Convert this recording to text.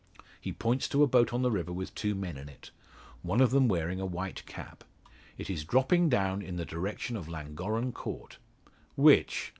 He points to a boat on the river with two men in it; one of them wearing a white cap. It is dropping down in the direction of Llangorren Court. "Which?"